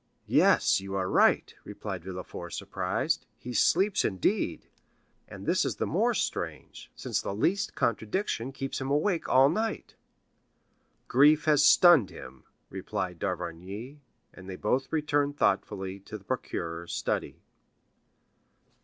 "Yes, you are right," replied Villefort, surprised; "he sleeps, indeed! And this is the more strange, since the least contradiction keeps him awake all night." "Grief has stunned him," replied d'Avrigny; and they both returned thoughtfully to the procureur's study.